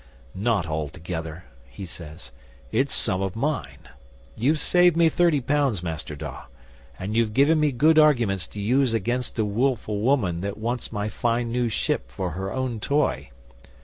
'"Not altogether ", he says. "It's some of mine. You've saved me thirty pounds, Master Dawe, and you've given me good arguments to use against a willful woman that wants my fine new ship for her own toy.